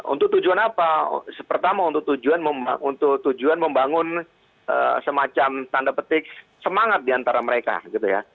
untuk tujuan apa pertama untuk tujuan membangun semacam tanda petik semangat diantara mereka gitu ya